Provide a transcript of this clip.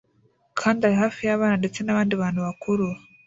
kandi ari hafi y'abana ndetse n'abandi bantu bakuru